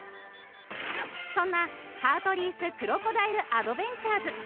そんなハートリースクロコダイルアドベンチャーズ